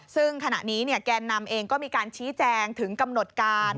ซึ่งขณะนี้แกนนำเองก็มีการชี้แจงถึงกำหนดการ